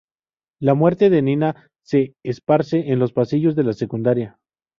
La muerte de Nina se esparce en los pasillos de la secundaria.